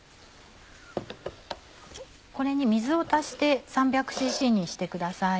これに水を足して３００ｃｃにしてください。